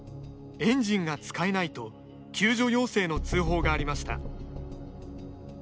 エンジンが使えないと救助要請の通報がありました。